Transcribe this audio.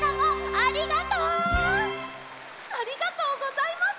ありがとうございます！